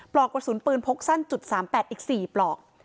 ปลอกกระสุนปืนพกสั้น๓๘อีก๔ปลอก